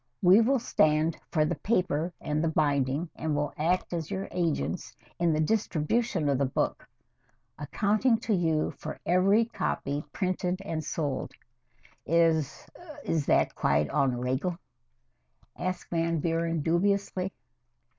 "We will stand for the paper and the binding, and will act as your agents in the distribution of the book, accounting to you for every copy printed and sold." "Is is that quite en regle?" asked Van Buren dubiously.